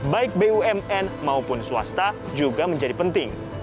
baik bumn maupun swasta juga menjadi penting